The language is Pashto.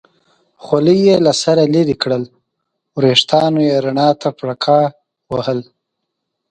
خولۍ یې له سره لرې کړل، وریښتانو یې رڼا ته پړکا وهل.